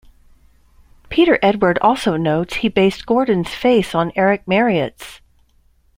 Peter Edwards also notes that he based Gordon's face on Eric Marriot's.